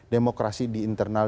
demokrasi di internal